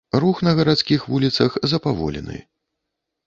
Рух на гарадскіх вуліцах запаволены.